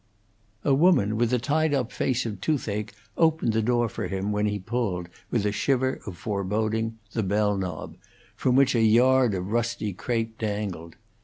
A woman with a tied up face of toothache opened the door for him when he pulled, with a shiver of foreboding, the bell knob, from which a yard of rusty crape dangled.